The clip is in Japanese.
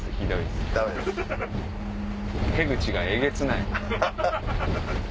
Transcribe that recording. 手口がえげつない。